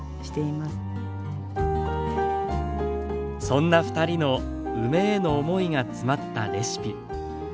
そんな２人の梅への思いが詰まったレシピ。